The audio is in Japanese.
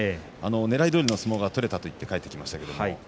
ねらいどおりの相撲が取れたと言って帰ってきました。